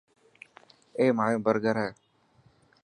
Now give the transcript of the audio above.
اي مايو برگر هي.